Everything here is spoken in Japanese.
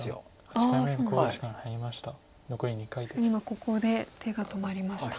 確かに今ここで手が止まりました。